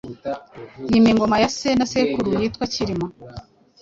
yima ingoma ya se na sekuru; yitwa Cyilima.